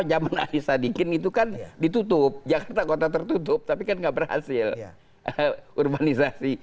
malah zaman alisadikin itu kan ditutup jakarta kota tertutup tapi kan gak berhasil urbanisasi